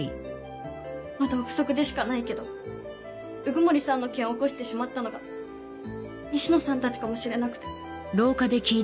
まだ臆測でしかないけど鵜久森さんの件を起こしてしまったのが西野さんたちかもしれなくて。